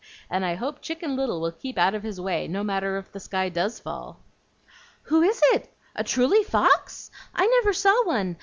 and I hope Chicken Little will keep out of his way, no matter if the sky does fall." "Who is it? A truly fox? I never saw one.